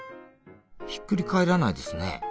ひっくり返らないですね。